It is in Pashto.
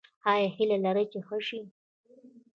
ایا هیله لرئ چې ښه شئ؟